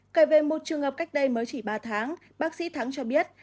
kể về một trường hợp cách đây mới chỉ ba tháng bác sĩ thắng cho biết